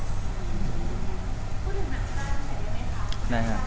พูดถึงหนักชายตั้งแต่เยอะไหมครับ